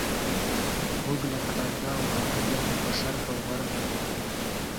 موږ لکه ړانده او کاڼه بیا هم په شرق او غرب نه پوهېدو.